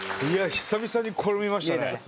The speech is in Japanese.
いや久々にこれ見ましたね。